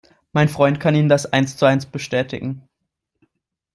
Mein Freund kann Ihnen das eins zu eins bestätigen.